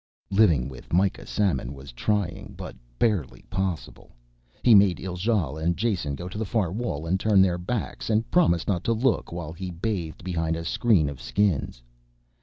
Living with Mikah Samon was trying, but barely possible. He made Ijale and Jason go to the far wall and turn their backs and promise not to look while he bathed behind a screen of skins.